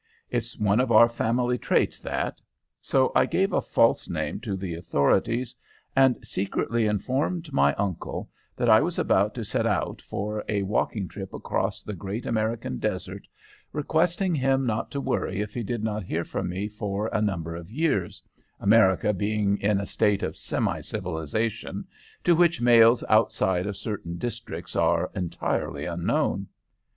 It's one of our family traits, that. So I gave a false name to the authorities, and secretly informed my uncle that I was about to set out for a walking trip across the great American desert, requesting him not to worry if he did not hear from me for a number of years, America being in a state of semi civilization, to which mails outside of certain districts are entirely unknown.